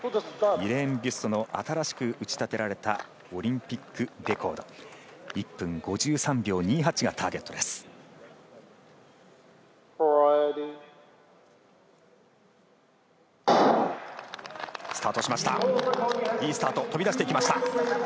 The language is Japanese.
イレーン・ビュストの新しく打ち立てられたオリンピックレコード１分５３秒２８がターゲット。